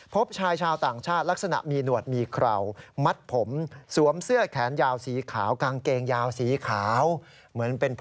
พบชายชาวต่างชาติลักษณะมีหนวดมีเคราะห์